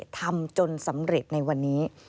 ทำจนสำเร็จในวันนี้